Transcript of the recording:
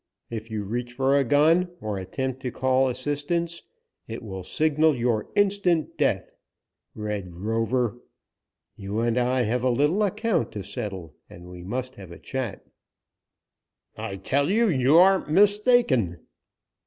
If you reach for a gun, or attempt to call assistance, it will signal your instant death, Red Rover. You and I have a little account to settle and we must have a chat." "I tell you you are mistaken."